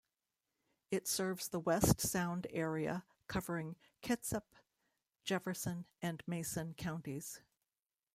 It serves the West Sound area covering Kitsap, Jefferson, and Mason counties.